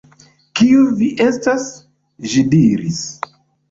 "Kiu vi estas?" ĝi diris.